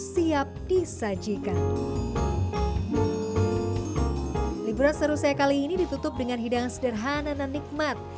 siap disajikan liburan seru saya kali ini ditutup dengan hidangan sederhana dan nikmat